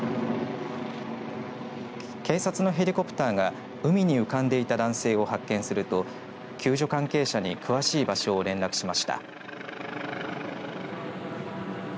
警察のヘリコプターが海に浮かんでいた男性を発見すると救助関係者に詳しい場所を連絡しました。